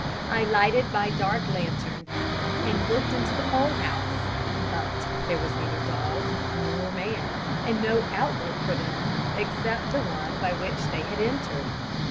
I lighted my dark lantern and looked into the coal house, but there was neither dog nor man, and no outlet for them except the one by which they had entered.